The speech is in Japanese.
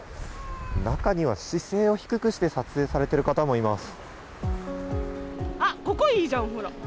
中には姿勢を低くして撮影されている方もいます。